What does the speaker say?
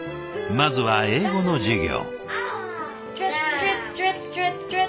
まずは英語の授業。